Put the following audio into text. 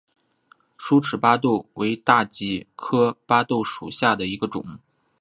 疏齿巴豆为大戟科巴豆属下的一个种。